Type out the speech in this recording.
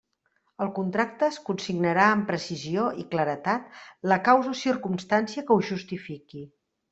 Al contracte es consignarà amb precisió i claredat la causa o circumstància que ho justifiqui.